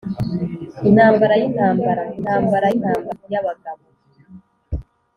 intambara yintambara, intambara yintambara yabagabo,